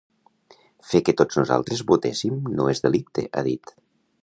Fer que tots nosaltres votéssim no és delicte, ha dit.